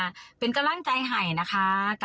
เราก็รังใจเห่้อนะคะ